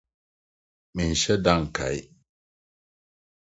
Menhyɛ da nkae